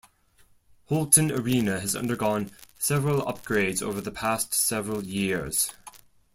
Halton Arena has undergone several upgrades over the past several years.